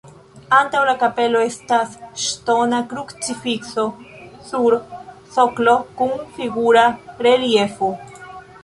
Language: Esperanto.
Antaŭ la kapelo estas ŝtona krucifikso sur soklo kun figura reliefo.